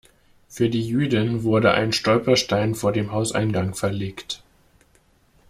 Für die Jüdin wurde ein Stolperstein vor dem Hauseingang verlegt.